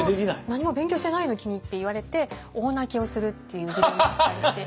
「何も勉強してないの君」って言われて大泣きをするっていう事例もあったりして。